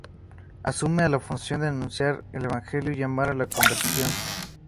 Asume a la función de anunciar el evangelio y llamar a la conversión.